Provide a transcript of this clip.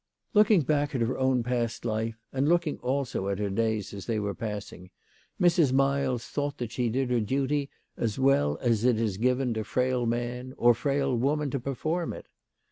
Looking back at her own past life, and looking also at her days as they were passing, Mrs. Miles thought that she did her duty as well as it is given to frail man or frail woman to perform it.